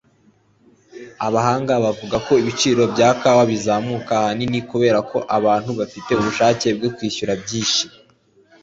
Abahanga bavuga ko ibiciro bya kawa bizamuka ahanini kubera ko abantu bafite ubushake bwo kwishyura byinshi.